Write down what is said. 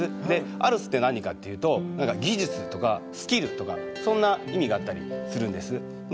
で「アルス」って何かっていうと技術とかスキルとかそんな意味があったりするんです。